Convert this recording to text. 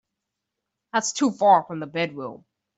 That's too far from the bedroom.